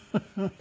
フフフ。